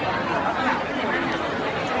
การรับความรักมันเป็นอย่างไร